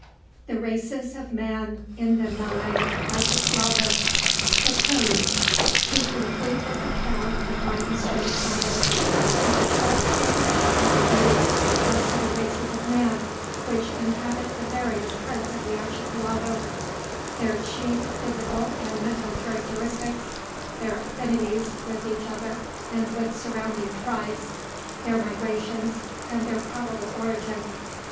THE RACES OF MAN IN THE MALAY ARCHIPELAGO. PROPOSE to conclude this account of my Eastern travels, with a short statement of my views as to the races of man which inhabit the various parts of the Archipelago, their chief physical and mental characteristics, their affinities with each other and with surrounding tribes, their migrations, and their probable origin.